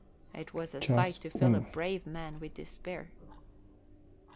It was a sight to fill a brave man with despair.